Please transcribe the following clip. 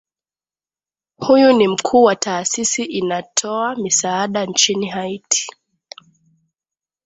huyu ni mkuu wa taasisi inatoa misaada nchini haiti